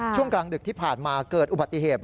ช่วงกลางดึกที่ผ่านมาเกิดอุบัติเหตุ